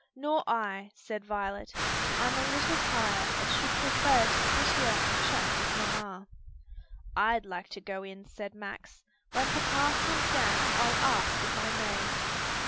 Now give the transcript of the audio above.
"Nor I," said Violet, "I'm a little tired and should prefer to sit here and chat with mamma." "I'd like to go in," said Max. "When papa comes down I'll ask if I may."